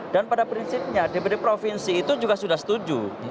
dan pada prinsipnya dpd provinsi itu juga sudah setuju